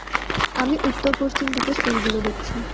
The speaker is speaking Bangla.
আমি উত্তর পশ্চিম দিকের সেলগুলো দেখছি।